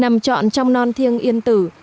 nằm trọn trong non thiêng yên tử